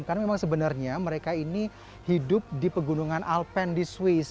karena memang sebenarnya mereka ini hidup di pegunungan alpen di swiss